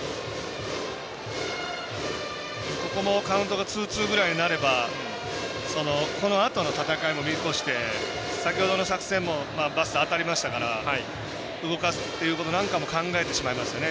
ここもカウントがツーツーぐらいになればこのあとの戦いも見越して先ほどの作戦もバスター当たりましたから動かすということなんかも考えてしまいますよね